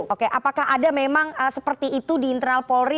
oke apakah ada memang seperti itu di internal polri